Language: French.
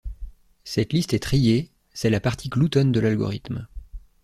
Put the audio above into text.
Cette liste est triée, c'est la partie gloutonne de l'algorithme.